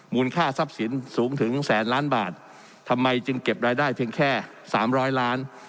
ค่าทรัพย์สินสูงถึงแสนล้านบาททำไมจึงเก็บรายได้เพียงแค่สามร้อยล้าน